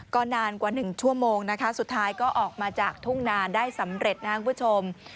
ก็นานกว่า๑ชั่วโมงนะคะสุดท้ายก็ออกมาจากทุ่งนาได้สำเร็จนะครับคุณผู้ชม